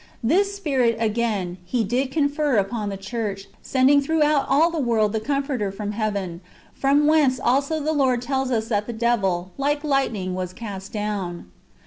This Spirit, again, He did confer upon the church, sending throughout all the world the Comforter from heaven, from whence also the Lord tells us that the devil, like lightning, was cast down.